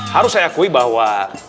harus saya akui bahwa